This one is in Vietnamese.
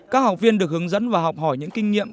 các học viên được hướng dẫn và học hỏi những kinh nghiệm